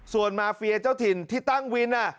ส่วนมาเฟียเจ้าถิ่นที่ตั้งวิน